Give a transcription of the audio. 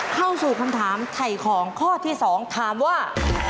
เข้าสู่คำถามไถ่ของข้อที่๒ถามว่า